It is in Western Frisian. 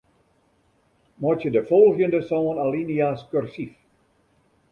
Meitsje de folgjende sân alinea's kursyf.